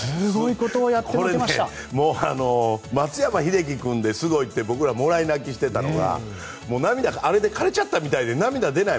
これ、松山英樹君ですごいって僕らもらい泣きしていたのが涙があれで枯れちゃったみたいで涙、出ない。